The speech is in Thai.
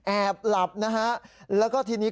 แอบหลับนะฮะแล้วก็ทีนี้